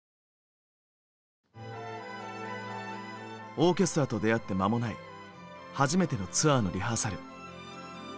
オーケストラと出会って間もない初めてのツアーのリハーサル。